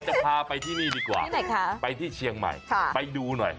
จะพาไปที่นี่ดีกว่าที่ไหนคะไปที่เชียงใหม่ไปดูหน่อย